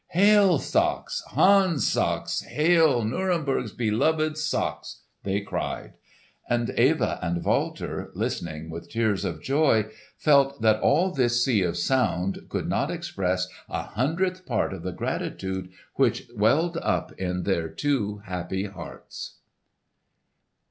"Hail, Sachs! Hans Sachs! Hail, Nuremberg's beloved Sachs!" they cried. And Eva and Walter, listening with tears of joy, felt that all this sea of sound could not express a hundredth part of the gratitude which welled up in their two happy hearts.